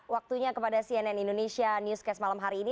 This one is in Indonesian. waktunya kepada cnn indonesia newscast malam hari ini